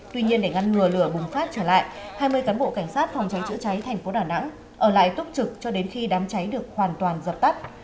tuy nhiên để ngăn ngừa lửa bùng phát trở lại hai mươi cán bộ cảnh sát phòng cháy chữa cháy thành phố đà nẵng ở lại tốc trực cho đến khi đám cháy được hoàn toàn dập tắt